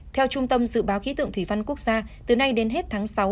theo trung tâm dự báo khí tượng thủy văn quốc gia từ nay đến hết tháng sáu